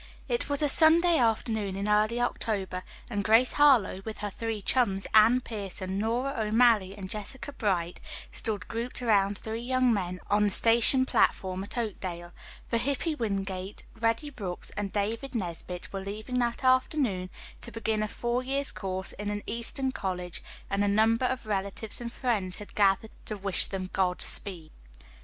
It was a sunny afternoon in early October, and Grace Harlowe with her three chums, Anne Pierson, Nora O'Malley and Jessica Bright, stood grouped around three young men on the station platform at Oakdale. For Hippy Wingate, Reddy Brooks and David Nesbit were leaving that afternoon to begin a four years' course in an eastern college, and a number of relatives and friends had gathered to wish them godspeed.